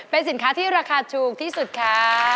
เป็นสินค้าที่ราคาถูกที่สุดค่ะ